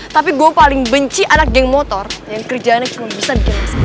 tapi gue paling benci anak geng motor yang kerjaannya cuma bisa dengan sepeda